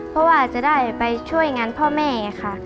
เพราะว่าจะได้ไปช่วยงานพ่อแม่ค่ะ